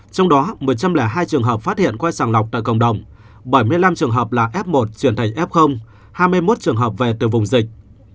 trong đó một trăm linh hai trường hợp phát hiện quay sàng lọc tại cộng đồng bảy mươi năm trường hợp là f một chuyển thành f hai mươi một trường hợp về từ vùng dịch